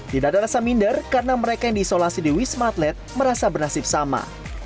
tidak ada rasa minder karena mereka yang diisolasi di wisma atlet merasa bernasib sama